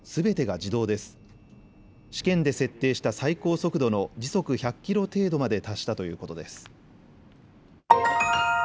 試験で設定した最高速度の時速１００キロ程度まで達したということです。